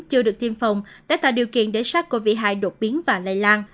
chưa được tiêm phòng đã tạo điều kiện để sát covid hai đột biến và lây lan